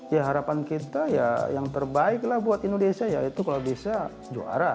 ya harapan kita ya yang terbaiklah buat indonesia ya itu kalau bisa juara ya apalagi itu tuan rumah